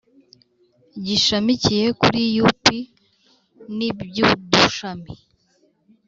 gishamikiye kuri U P n iby udushami